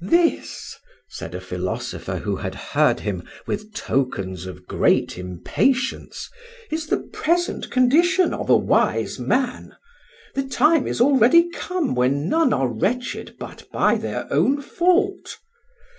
"This," said a philosopher who had heard him with tokens of great impatience, "is the present condition of a wise man. The time is already come when none are wretched but by their own fault.